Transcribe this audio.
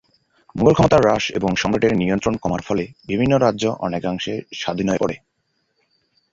মুঘল ক্ষমতা হ্রাস এবং সম্রাটের নিয়ন্ত্রণ কমার ফলে বিভিন্ন রাজ্য অনেকাংশ স্বাধীন হয়ে পড়ে।